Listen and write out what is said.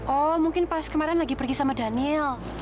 oh mungkin pas kemarin lagi pergi sama daniel